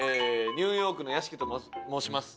ニューヨークの屋敷と申します。